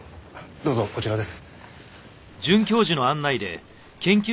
どうぞこちらです。